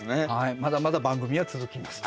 まだまだ番組は続きますと。